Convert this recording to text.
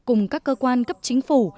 cùng các cơ quan cấp chính phủ